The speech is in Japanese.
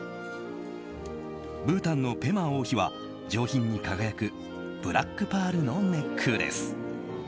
ブータンのペマ王妃は上品に輝くブラックパールのネックレス。